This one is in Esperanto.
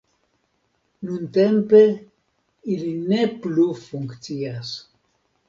Nuntempe ili ne plu funkcias.